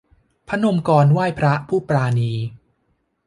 พนมกรไหว้พระผู้ปราณี